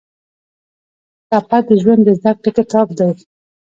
ټپه د ژوند د زده کړې کتاب دی.